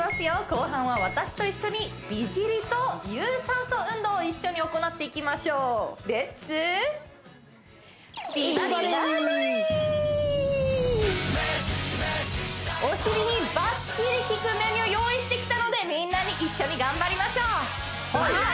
後半は私と一緒に美尻と有酸素運動を一緒に行っていきましょうお尻にバッチリ効くメニューを用意してきたのでみんなで一緒に頑張りましょうはい！